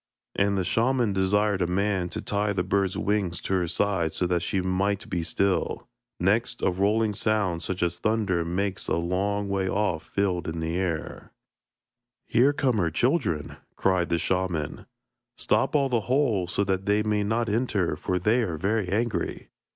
And the shaman desired a man to tie the bird's wings to her side so that she might be still. Next a rolling sound such as thunder makes a long way off filled the air. 'Here come her children,' cried the shaman. 'Stop all the holes so that they may not enter, for they are very angry.'